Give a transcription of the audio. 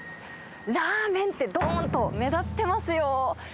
ラーメンって、どーんと目立ってますよ。